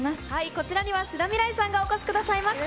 こちらには志田未来さんにお越しくださいました。